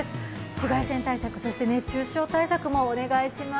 紫外線対策、熱中症対策もお願いします。